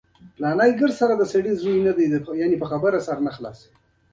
له هغې سره یوځای هوټل ته تللی وای، چې ډېر په زړه پورې وو.